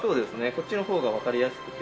こっちの方がわかりやすくて。